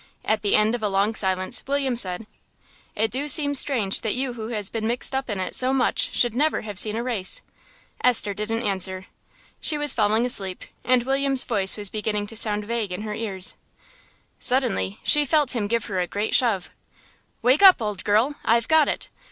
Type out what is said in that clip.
At the end of a long silence William said "It do seem strange that you who has been mixed up in it so much should never have seen a race." Esther didn't answer. She was falling asleep, and William's voice was beginning to sound vague in her ears. Suddenly she felt him give her a great shove. "Wake up, old girl, I've got it.